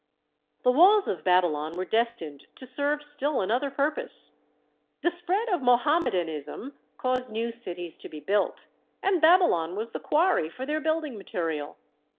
The walls of Babylon were destined to serve still another purpose. The spread of Mohammedan ism caused new cities to be built, and Babylon was the quarry for their building material.